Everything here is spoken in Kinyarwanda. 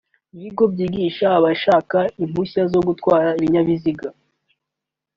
ibigo byigisha abashaka impushya zo gutwara ibinyabiziga